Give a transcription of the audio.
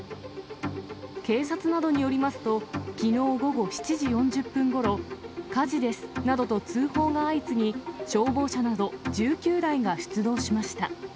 警察などによりますと、きのう午後７時４０分ごろ、火事ですなどと通報が相次ぎ、消防車など１９台が出動しました。